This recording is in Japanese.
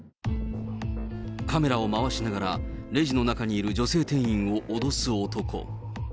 カメラを回しながら、レジの中にいる女性店員を脅す男。